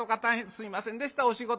すいませんでしたお仕事中に。